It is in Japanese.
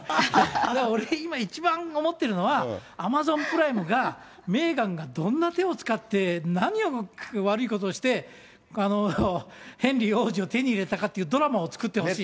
俺、今一番、思ってるのは、アマゾンプライムがメーガンがどんな手を使って、何を悪いことをして、ヘンリー王子を手に入れたかっていうドラマを作ってほしいなって。